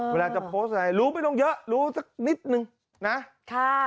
เวลาจะโพสต์อะไรรู้ไม่ต้องเยอะรู้สักนิดนึงนะค่ะ